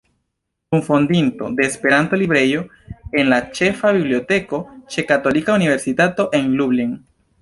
Kunfondinto de Esperanto Librejo en la Ĉefa Biblioteko ĉe Katolika Universitato en Lublin.